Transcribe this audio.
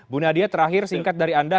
bu nadia terakhir singkat dari anda